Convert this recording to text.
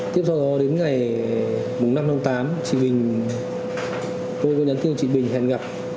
tiếp sau đó đến ngày năm tháng tám tôi có nhắn tin cho chị bình hẹn gặp